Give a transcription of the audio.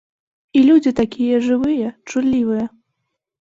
І людзі такія жывыя, чуллівыя.